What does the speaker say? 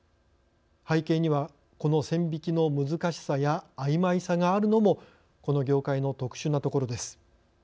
背景にはこの線引きの難しさやあいまいさがあるのもこの業界の特殊なところです。